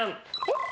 えっ？